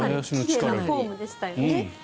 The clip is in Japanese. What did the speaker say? かなり奇麗なフォームでしたよね。